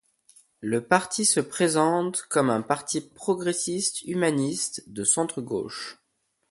Le parti se présente comme un parti progressiste-humaniste, de centre gauche.